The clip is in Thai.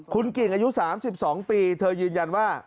คุณกิ่งอายุ๓๒ปีเธอยืนยันว่า